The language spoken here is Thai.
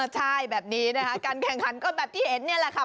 ใช่แบบนี้นะคะการแข่งขันก็แบบที่เห็นนี่แหละค่ะ